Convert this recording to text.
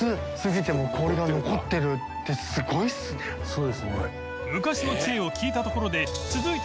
そうですね。